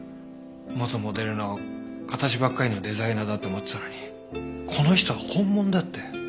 元モデルの形ばっかりのデザイナーだと思ってたのにこの人は本物だって。